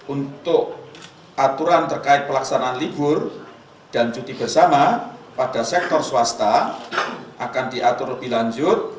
untuk aturan terkait pelaksanaan libur dan cuti bersama pada sektor swasta akan diatur lebih lanjut